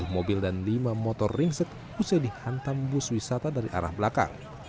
satu mobil dan lima motor ringsek usai dihantam bus wisata dari arah belakang